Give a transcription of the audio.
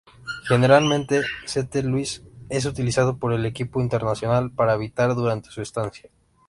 Generalmente St Louis es utilizado por el equipo internacional para habitar durante su estancia.